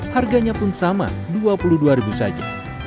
harganya pun sama rp dua puluh dua saja